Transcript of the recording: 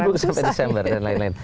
full ebook sampai desember dan lain lain